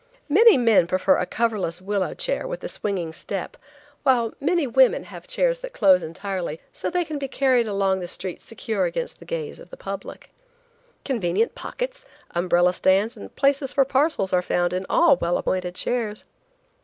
Many men prefer a coverless willow chair with swinging step, while many women have chairs that close entirely, so they can be carried along the streets secure against the gaze of the public. Convenient pockets, umbrella stands and places for parcels are found in all well appointed chairs.